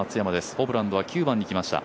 ホブランドは９番に来ました。